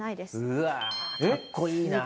うわかっこいいなあ。